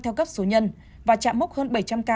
theo cấp số nhân và chạm mốc hơn bảy trăm linh ca